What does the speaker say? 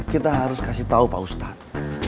kita harus kasih tahu pak ustadz